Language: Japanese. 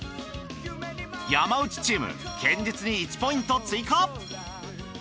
山内チーム堅実に１ポイント追加。